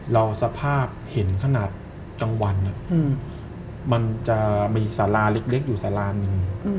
เราสภาพเห็นขนาดตั้งวันมันจะมีสาลาเล็กอยู่สาลานึง